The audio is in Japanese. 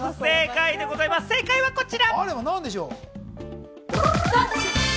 正解はこちら！